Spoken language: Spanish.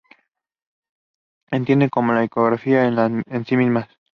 Se entienden como iconografía en sí mismas.